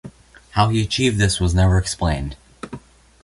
How he achieved this was never explained.